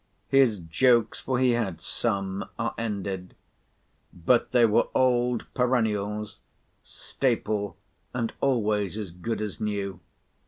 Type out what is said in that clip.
His jokes (for he had some) are ended; but they were old Perennials, staple, and always as good as new.